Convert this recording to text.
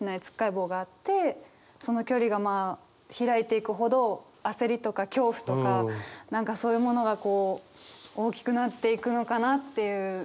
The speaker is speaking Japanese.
つっかえ棒があってその距離がまあ開いていくほど焦りとか恐怖とか何かそういうものが大きくなっていくのかなっていう。